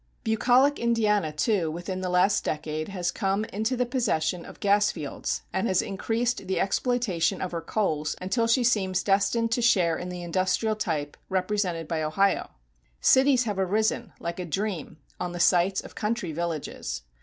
Bucolic Indiana, too, within the last decade has come into the possession of gas fields and has increased the exploitation of her coals until she seems destined to share in the industrial type represented by Ohio. Cities have arisen, like a dream, on the sites of country villages.